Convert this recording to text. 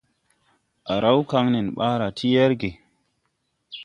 Á raw kaŋ nen ɓaara ti yɛrge.